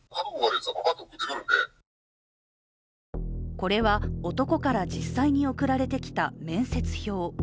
これは、男から実際に送られてきた面接票。